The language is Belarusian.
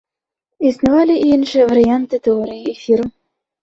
Існавалі і іншыя варыянты тэорыі эфіру.